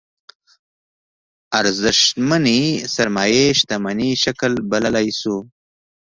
ارزشمنې سرمايې شتمنۍ شکل بللی شو.